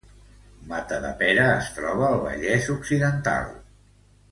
Matadepera es troba al Vallès Occidental